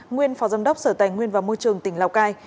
nguyên phó giám đốc sở tài nguyên và môi trường tỉnh lào cai